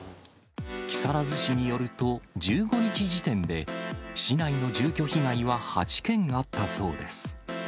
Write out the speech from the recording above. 木更津市によると、１５日時点で市内の住居被害は８件あったそうです。